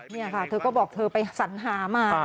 นี่ค่ะเธอก็บอกเธอไปสัญหามา